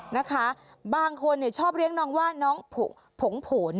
นะคะบางคนชอบเลี้ยงน้องว่าน้องผงผล